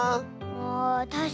あたしかに。